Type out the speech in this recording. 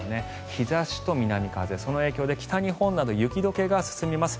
日差しと南風、その影響で北日本など雪解けが進みます。